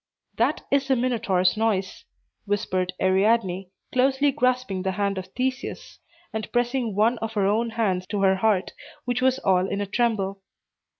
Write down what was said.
"That is the Minotaur's noise," whispered Ariadne, closely grasping the hand of Theseus, and pressing one of her own hands to her heart, which was all in a tremble.